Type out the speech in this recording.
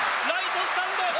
ライトスタンド。